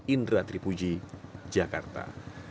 indra tripuji jakarta